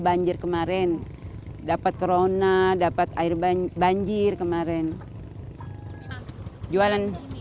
satu satunya penghasilan di keluarga